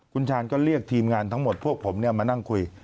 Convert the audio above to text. คุณชาญก็เรียกทีมงานทั้งหมดพวกผมมานั่งคุย